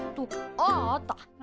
あああった！